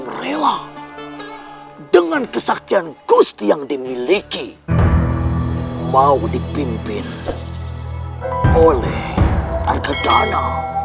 gusti karamarasim rela dengan kesaktian gusti yang dimiliki mau dipimpin oleh argadana